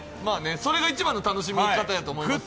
それが一番の楽しみ方やと思います。